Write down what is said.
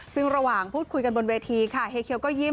ซึ่งระหว่างพูดคุยกันบนเวทีค่ะเฮเคียวก็ยิ้ม